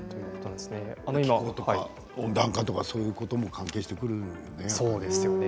気候とか温暖化とかそういうことも関係してくるね。